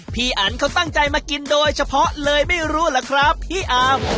พี่อันเขาตั้งใจมากินโดยเฉพาะเลยไม่รู้ล่ะครับพี่อาร์ม